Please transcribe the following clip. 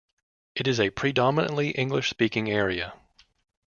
It is a predominantly English-speaking area.